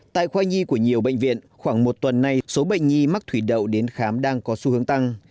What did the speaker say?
tại khoa nhi của nhiều bệnh viện khoảng một tuần nay số bệnh nhi mắc thủy đậu đến khám đang có xu hướng tăng